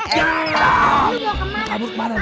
kamu sudah kemanin